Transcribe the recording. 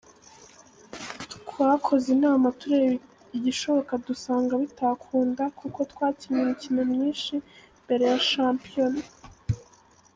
Twakoze inama tureba igikoshoka dusanga bitakunda kuko twakinnye imikino myinshi mbere ya shampiyona.